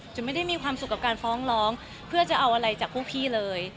ไม่ได้มีความสุขกับการฟ้องร้องเพื่อจะเอาอะไรจากพวกพี่เลย